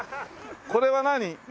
これは何？